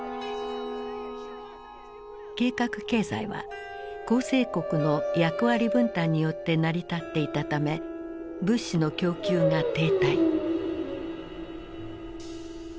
計画経済は構成国の役割分担によって成り立っていたため物資の供給が停滞。